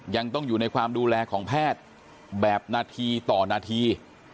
ยังต้องอยู่ในความดูแลของแพทย์แบบนาทีต่อนาที